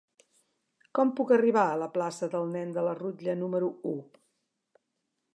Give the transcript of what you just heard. Com puc arribar a la plaça del Nen de la Rutlla número u?